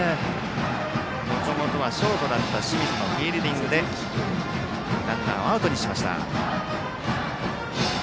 もともとはショートだった清水のフィールディングでランナーをアウトにしました。